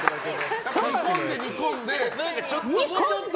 煮込んで、煮込んで。